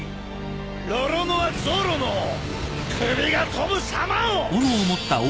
ロロノア・ゾロの首が飛ぶさまを！